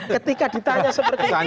ketika ditanya seperti ini